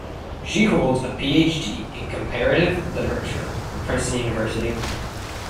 She holds a Ph.D. in Comparative Literature from Princeton University.